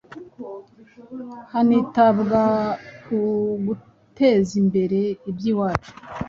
hanitabwa ku guteza imbere iby’iwacu.